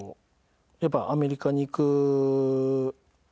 やっぱアメリカにいく最後の。